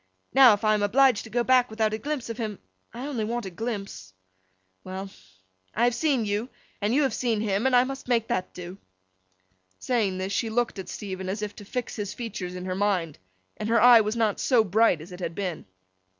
Now, if I am obliged to go back without a glimpse of him—I only want a glimpse—well! I have seen you, and you have seen him, and I must make that do.' Saying this, she looked at Stephen as if to fix his features in her mind, and her eye was not so bright as it had been.